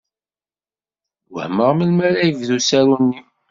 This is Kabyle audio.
Wehmeɣ melmi ara yebdu usaru-nni.